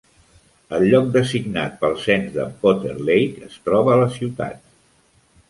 El lloc designat pel cens de Potter Lake es troba a la ciutat.